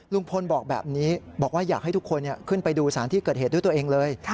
ลุงพลบอกแบบนี้บอกว่าอยากให้ทุกคนขึ้นไปดูสารที่เกิดเหตุด้วยตัวเองเลย